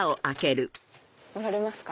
乗られますか？